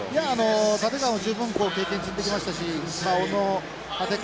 立川も十分経験積んできましたし小野立川